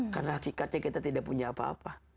karena hakikatnya kita tidak punya apa apa